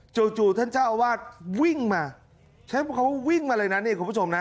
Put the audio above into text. จู่ท่านเจ้าอาวาสวิ่งมาใช้คำว่าวิ่งมาเลยนะเนี่ยคุณผู้ชมนะ